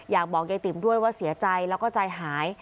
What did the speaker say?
อยากบอกยายติ๋มด้วยว่าเสียใจแล้วก็ใจหาย